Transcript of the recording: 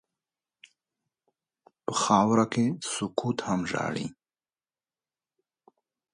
په خاوره کې سکوت هم ژاړي.